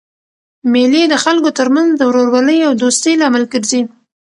مېلې د خلکو ترمنځ د ورورولۍ او دوستۍ لامل ګرځي.